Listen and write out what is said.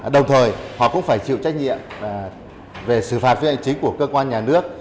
đồng thời họ cũng phải chịu trách nhiệm về sự phạt với hành chính của cơ quan nhà nước